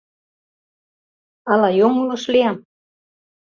Ала йоҥылыш лиям?